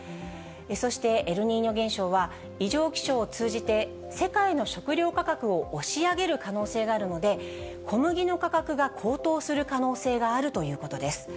そしてエルニーニョ現象は、異常気象を通じて、世界の食料価格を押し上げる可能性があるので、小麦の価格が高騰する可能性があるということです。